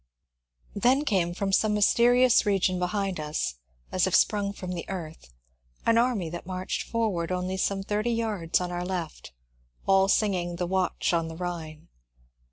Then came from some mysterious region behind us, as if sprung from the earth, an army that marched forward only some thirty yards on our left, all singing the ^^ Watch on the Rhine."